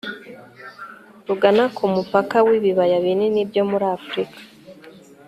rugana ku mupaka w'ibibaya binini byo muri afurika